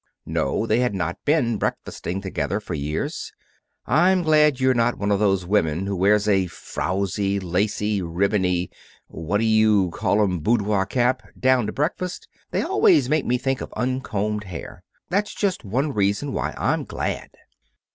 No; they had not been breakfasting together for years. "I'm glad you're not one of those women that wears a frowsy, lacy, ribbony, what do you call 'em boudoir cap down to breakfast. They always make me think of uncombed hair. That's just one reason why I'm glad."